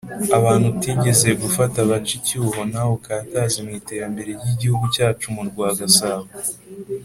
abantu utigeze gufata bace icyuho nawe ukataze mu iterambere ry ‘igihugu cyacu mu rwa gasabo